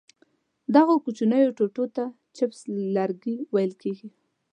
دغو کوچنیو ټوټو ته چپس لرګي ویل کېږي.